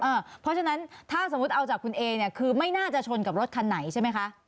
เพราะฉะนั้นถ้าสมมุติเอาจากคุณเอเนี่ยคือไม่น่าจะชนกับรถคันไหนใช่ไหมคะ